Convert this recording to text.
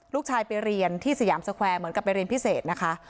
ลูกชายไปเรียนที่สยามสแควร์เหมือนกับไปเรียนพิเศษนะคะ